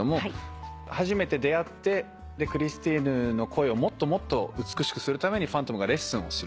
初めて出会ってクリスティーヌの声をもっともっと美しくするためにファントムがレッスンをする。